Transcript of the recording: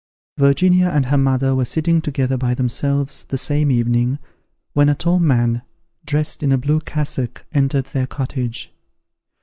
Virginia and her mother were sitting together by themselves the same evening, when a tall man, dressed in a blue cassock, entered their cottage.